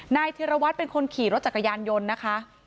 ธิรวัตรเป็นคนขี่รถจักรยานยนต์นะคะ